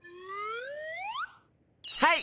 はい。